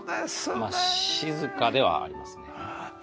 まあ静かではありますね。